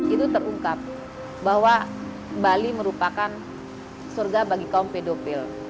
itu terungkap bahwa bali merupakan surga bagi kaum pedofil